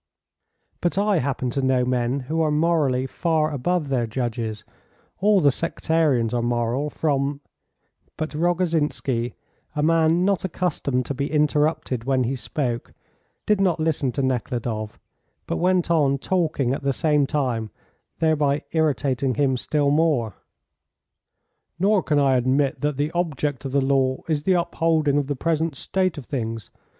"But I happen to know men who are morally far above their judges; all the sectarians are moral, from " But Rogozhinsky, a man not accustomed to be interrupted when he spoke, did not listen to Nekhludoff, but went on talking at the same time, thereby irritating him still more. "Nor can I admit that the object of the law is the upholding of the present state of things.